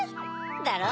だろ？